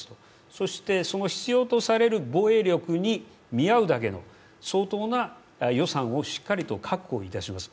そして、その必要とされる防衛力に見合うだけの相当な予算をしっかりと確保いたします。